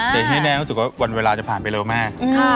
ก็รู้ถึงว่าวันเวลาจะผ่านไปเร็วมาก